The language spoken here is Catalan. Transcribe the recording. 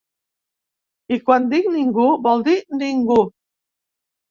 I quan dic ningú vol dir ningú.